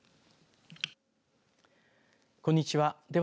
こんにちは。